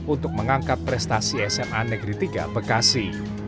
untuk mengangkat prestasi sma negeri tiga bekasi